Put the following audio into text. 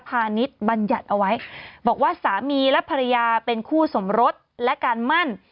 ณิชย์บัญญัติเอาไว้บอกว่าสามีและภรรยาเป็นคู่สมรสและการมั่น